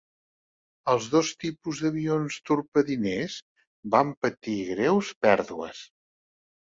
Els dos tipus d'avions torpediners van patir greus pèrdues.